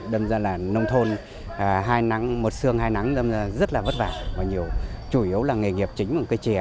đâm ra là nông thôn một sương hai nắng rất là vất vả và nhiều chủ yếu là nghề nghiệp chính của một cây trẻ